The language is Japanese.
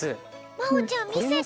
まほちゃんみせて。